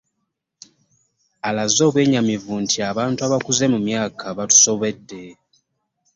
Alaze obwennyamivu nti abantu abakuze mu myaka batusobedde